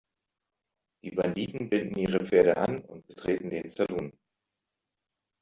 Die Banditen binden ihre Pferde an und betreten den Salon.